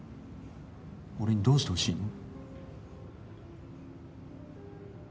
俺にどうしてほしいの？